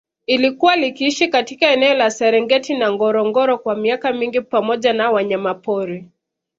Ilikuwa likiishi katika eneo la Serengeti na Ngorongoro kwa miaka mingi pamoja na wanyamapori